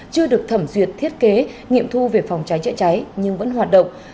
chưa được thẩm duyệt thiết kế nghiệm thu về phòng cháy chữa cháy nhưng vẫn hoạt động